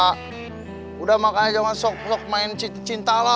sudah makanya jangan sok sok main cinta